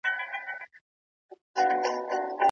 خپل کاروبار مې په نوې جذبه او تګلاره سمبال کړ.